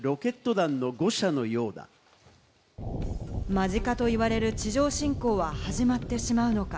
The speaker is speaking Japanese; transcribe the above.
間近といわれる地上侵攻は始まってしまうのか？